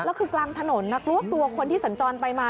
แล้วคือกลางถนนกลัวคนที่สัญจรไปมา